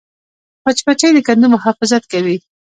مچمچۍ د کندو محافظت کوي